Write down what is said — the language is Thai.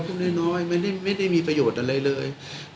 พูดเห็นไม่ได้มีประโยชน์อะไรเลย